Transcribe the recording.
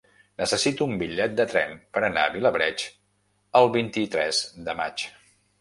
Necessito un bitllet de tren per anar a Vilablareix el vint-i-tres de maig.